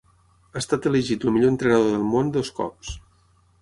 Ha estat elegit el millor entrenador del món dos cops.